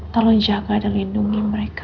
tentu juga nyetir mempertimbangkan